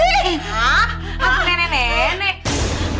hah hantu nenek nenek